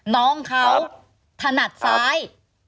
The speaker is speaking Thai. น้องเขาถนัดซ้าย